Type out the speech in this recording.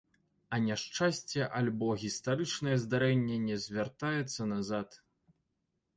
А няшчасце альбо гістарычнае здарэнне не звяртаецца назад.